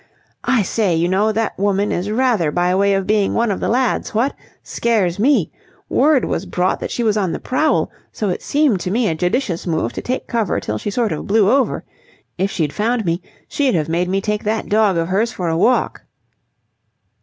"I say, you know, that woman is rather by way of being one of the lads, what! Scares me! Word was brought that she was on the prowl, so it seemed to me a judicious move to take cover till she sort of blew over. If she'd found me, she'd have made me take that dog of hers for a walk."